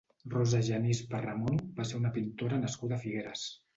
Rosa Genís Perramon va ser una pintora nascuda a Figueres.